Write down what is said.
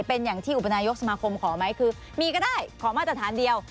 เป็นอย่างที่อุปนายกสมาคมขอไหมคือมีก็ได้ขอมาตรฐานเดียว